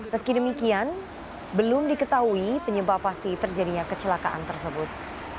meski demikian belum diketahui penyebab pasti terjadinya kecelakaan tersebut